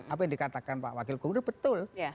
apa yang dikatakan pak wakil gubernur betul